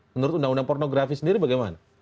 menurut undang undang pornografi sendiri bagaimana